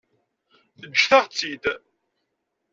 Ǧǧet-aɣ-tt-id.